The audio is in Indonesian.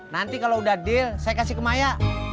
nanti kalau udah deal saya kasih ke maya